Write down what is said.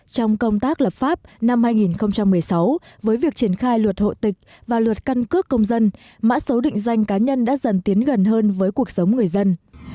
trong công tác lập pháp năm hai nghìn một mươi sáu với việc triển khai luật hộ tịch và luật căn cước công dân mã số định danh cá nhân đã dần tiến gần hơn với cuộc sống người dân